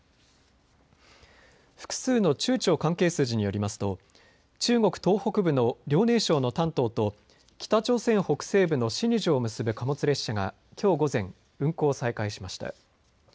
複数の中朝関係筋によりますと中国東北部の遼寧省の丹東と北朝鮮北西部のシニジュを結ぶ貨物列車がきょう午前運行を再開しました。